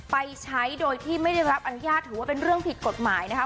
ไปใช้โดยที่ไม่ได้รับอนุญาตถือว่าเป็นเรื่องผิดกฎหมายนะคะ